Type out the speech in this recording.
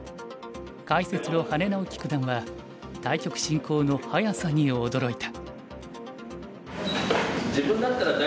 解説の羽根直樹九段は対局進行の速さに驚いた。